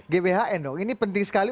gbhn dong ini penting sekali